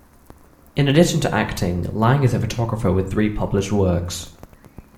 In addition to acting, Lange is a photographer with three published works.